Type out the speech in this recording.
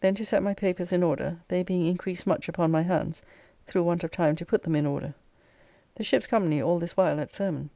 Then to set my papers in order, they being increased much upon my hands through want of time to put them in order. The ship's company all this while at sermon.